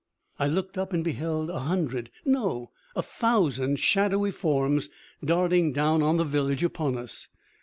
I looked up and beheld a hundred no, a thousand! shadowy forms darting down on the village, upon us.